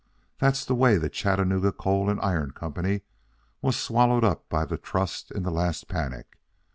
That's the way the Chattanooga Coal and Iron Company was swallowed up by the trust in the last panic.